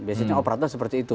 biasanya operator seperti itu